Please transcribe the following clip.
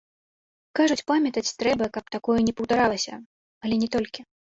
Кажуць, памятаць трэба, каб такое не паўтарылася, але не толькі.